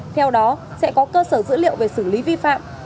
theo đó sẽ có cơ sở dữ liệu về xử lý vi phạm